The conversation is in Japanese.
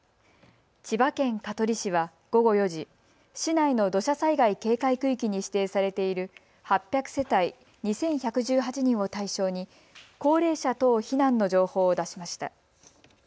千葉県香取市は午後４時、市内の土砂災害警戒区域に指定されている８００世帯２１１８人を対象に高齢者等避難の情報を出しました。